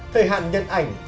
thời hạn nhận ảnh